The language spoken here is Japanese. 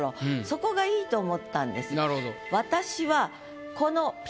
そこが良いと思ったんです。